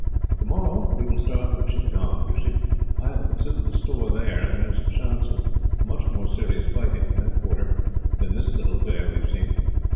"Tomorrow we will start for Chittagong. You see, I have a considerable store there; and there is a chance of much more serious fighting, in that quarter, than this little affair we have seen.